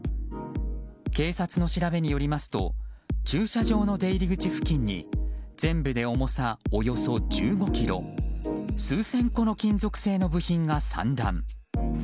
警察の調べによりますと駐車場の出入り口付近に全部で重さおよそ１５ｋｇ数千個の金属製の部品が散乱。